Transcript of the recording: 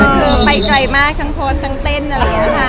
คือไปไกลมากทั้งโพสต์ทั้งเต้นอะไรอย่างนี้ค่ะ